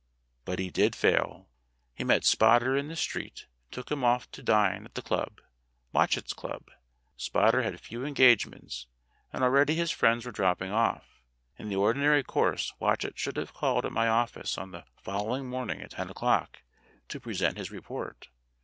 But he did fail. He met Spotter in the street and took him off to dine at the club Watchet's club. Spotter had few engagements, and already his friends were dropping off. In the ordinary course Watchet should have called at my office on the following morn ing at ten o'clock to present his report.